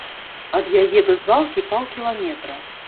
Ад яе да звалкі паўкіламетра.